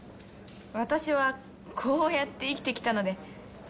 私はこうやって生きてきたので。